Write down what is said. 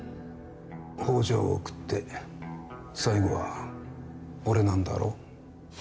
宝条を食って、最後は俺なんだろう？